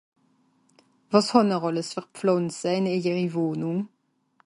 wàs hàn'er àlles fer Pfànze ìn ejeri Wohnung